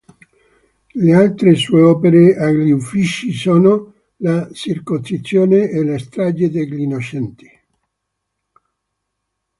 Le altre sue opere agli Uffizi sono La "Circoncisione" e la "Strage degli innocenti".